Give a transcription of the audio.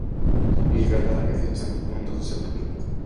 იგი გადააკეთეს სამკურნალო დაწესებულებად.